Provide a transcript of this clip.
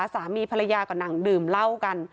สามีภรรยาก็นั่งดื่มเหล้ากัน